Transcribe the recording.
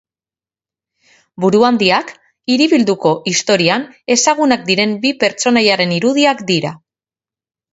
Buruhandiak Hiribilduko historian ezagunak diren bi pertsonaiaren irudiak dira.